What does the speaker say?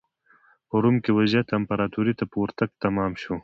په روم کې وضعیت امپراتورۍ ته په ورتګ تمام شو.